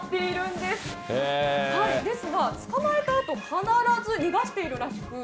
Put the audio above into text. ですが、捕まえたあと必ず逃がしているらしく。